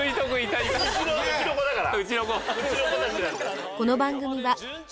うちの子だから。